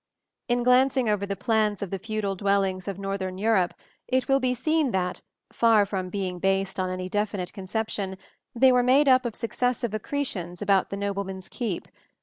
] In glancing over the plans of the feudal dwellings of northern Europe it will be seen that, far from being based on any definite conception, they were made up of successive accretions about the nobleman's keep.